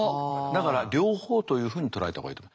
だから両方というふうに捉えた方がいいと。